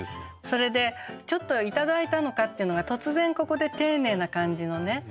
それでちょっと「頂いたのか」っていうのが突然ここで丁寧な感じのね